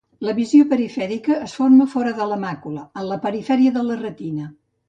La visió perifèrica es forma fora de la màcula, en la perifèria de la retina.